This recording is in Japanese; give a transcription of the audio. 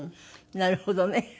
なるほどね。